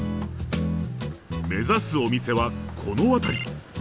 目指すお店はこの辺り。